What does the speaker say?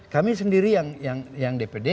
kami sendiri yang dpd